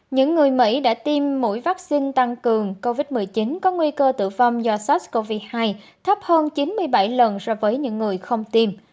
những người mỹ đã tiêm mũi vaccine tăng cường covid một mươi chín có nguy cơ tử vong do sars cov hai thấp hơn chín mươi bảy lần so với những người không tiêm